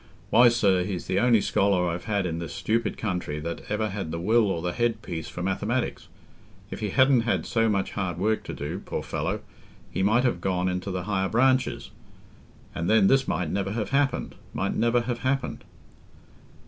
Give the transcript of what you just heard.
Why, sir, he's the only scholar I've had in this stupid country that ever had the will or the head piece for mathematics. If he hadn't had so much hard work to do, poor fellow, he might have gone into the higher branches, and then this might never have happened—might never have happened."